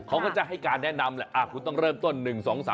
เขาก็จะให้การแนะนำแหละคุณต้องเริ่มต้น๑๒๓